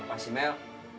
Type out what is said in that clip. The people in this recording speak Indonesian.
apa sih mel